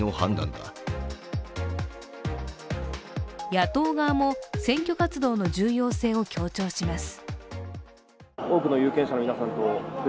野党側も選挙活動の重要性を強調します。